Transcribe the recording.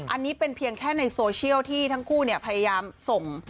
อันนี้เป็นเพียงแค่ในโซเชียลที่ทั้งคู่พยายามส่ง